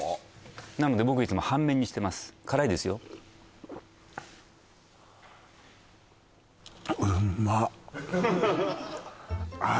なので僕いつも半麺にしてます辛いですよああ